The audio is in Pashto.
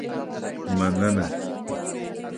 مننه